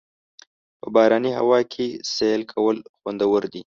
په باراني هوا کې سیل کول خوندور دي.